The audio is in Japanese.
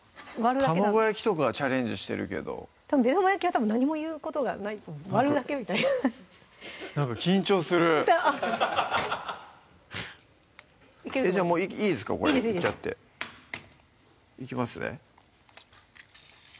卵焼きとかはチャレンジしてるけど目玉焼きはたぶん何も言うことがないと思う割るだけみたいななんか緊張するじゃあもういいですかこれいいですいいですいきますね